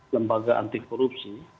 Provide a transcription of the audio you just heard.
lembaga anti korupsi